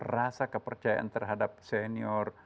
rasa kepercayaan terhadap senior